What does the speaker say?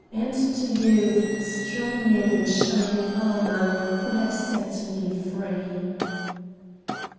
and to you, strong men in shining armour who have set me free!"